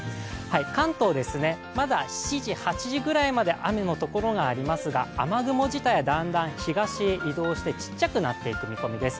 関東、まだ７時、８時ぐらいまで雨の所がありますが雨雲自体はだんだん東へ移動してちっちゃくなっていく見込みです。